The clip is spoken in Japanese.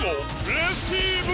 レシーブ！